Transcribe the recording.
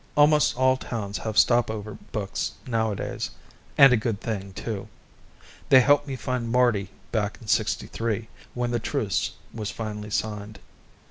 Almost all towns have stopover books nowadays, and a good thing, too. They helped me find Marty back in '63, when the truce was finally signed.